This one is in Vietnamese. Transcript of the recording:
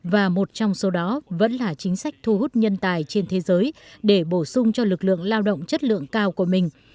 và một trong số đó vẫn là chính sách thu hút nhân tài trên thế giới để bổ sung cho lực lượng lao động chất lượng cao của mình